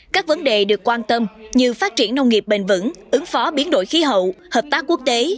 các vấn đề được quan tâm như phát triển nông nghiệp bền vững ứng phó biến đổi khí hậu hợp tác quốc tế